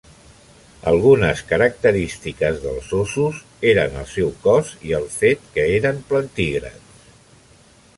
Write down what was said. Algunes característiques dels óssos eren el seu cos i el fet que eren plantígrads.